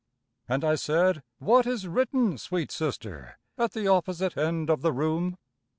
And I said, "What is written, sweet sister, At the opposite end of the room?"